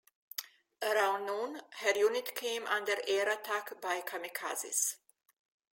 Around noon, her unit came under air attack by "kamikazes".